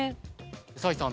崔さん。